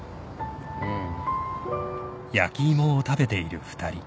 うん。